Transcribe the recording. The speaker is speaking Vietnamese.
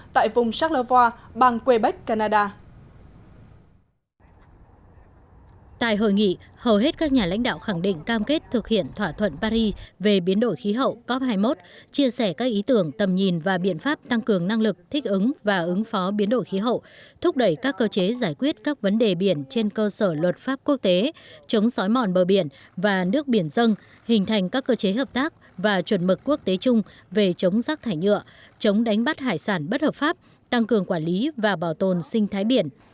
trong hội nghị hầu hết các nhà lãnh đạo khẳng định cam kết thực hiện thỏa thuận paris về biến đổi khí hậu cop hai mươi một chia sẻ các ý tưởng tầm nhìn và biện pháp tăng cường năng lực thích ứng và ứng phó biến đổi khí hậu thúc đẩy các cơ chế giải quyết các vấn đề biển trên cơ sở luật pháp quốc tế chống sói mòn bờ biển và nước biển dân hình thành các cơ chế hợp tác và chuẩn mực quốc tế chung về chống rác thải nhựa chống đánh bắt hải sản bất hợp pháp tăng cường quản lý và bảo tồn sinh thái biển